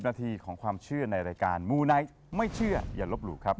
นาทีของความเชื่อในรายการมูไนท์ไม่เชื่ออย่าลบหลู่ครับ